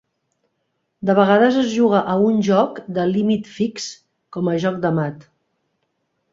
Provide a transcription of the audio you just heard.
De vegades es juga a un joc de límit fix com a joc de mat.